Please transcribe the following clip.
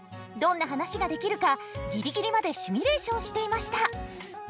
どんな話ができるかギリギリまでシミュレーションしていました。